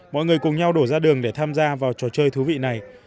mọi người cùng nhau đổ ra đường để tham gia vào trò chơi thú vị này